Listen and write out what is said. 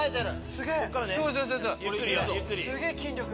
すげぇ筋力！